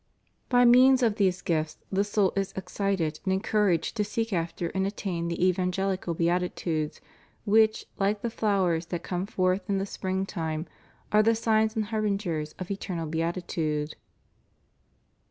By means of these gifts the soul is excited and encouraged to seek after and attain the evangelical beati tudes which, like the flowers that come forth in the spring time, are the signs and harbingers of eternal beati tude.